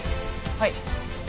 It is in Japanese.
はい。